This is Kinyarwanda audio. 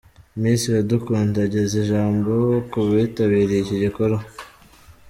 Miss Iradukunda ageza ijambo ku bitabiriye iki gikorwa.